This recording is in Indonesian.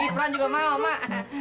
irfan juga mau mak